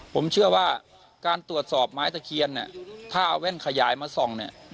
ผมเชื่อว่าการตรวจสอบไม้ตะเคียนเนี่ยถ้าเอาแว่นขยายมาส่องเนี่ย